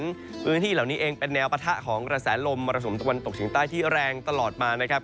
พื้นที่เหล่านี้เองเป็นแนวปะทะของกระแสลมมรสุมตะวันตกเฉียงใต้ที่แรงตลอดมานะครับ